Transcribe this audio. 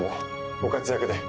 ご活躍で。